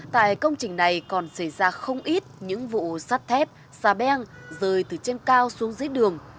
tại công trình này còn xảy ra không ít những vụ sắt thép xà beng rơi từ trên cao xuống dưới đường